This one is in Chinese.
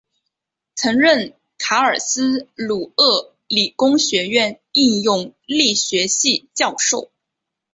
曾任卡尔斯鲁厄理工学院应用力学系教授。